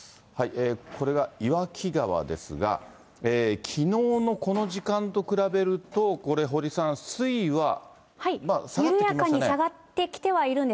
これが岩木川ですが、きのうのこの時間と比べると、これ、堀さん、水位は下がってきましたね。